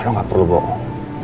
lo gak perlu bohong